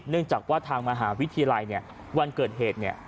เนื่องจากว่าทางมหาวิทยาลัยเนี่ยวันเกิดเหตุเนี่ย